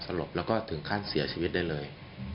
ลบแล้วก็ถึงขั้นเสียชีวิตได้เลย